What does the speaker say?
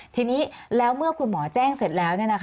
ทีนี้แล้วเมื่อคุณหมอแจ้งเสร็จแล้ว